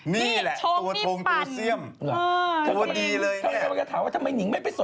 นิสัยที่คุณเนี่ยกำลังเขาจะไม่ได้